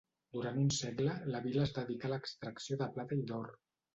Durant un segle la vila es dedicà a l'extracció de plata i d'or.